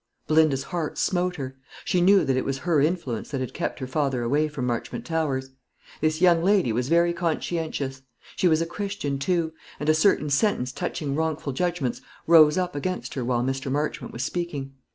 Belinda's heart smote her. She knew that it was her influence that had kept her father away from Marchmont Towers. This young lady was very conscientious. She was a Christian, too; and a certain sentence touching wrongful judgments rose up against her while Mr. Marchmont was speaking.